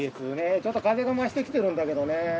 ちょっと風が増してきてるんだけどね。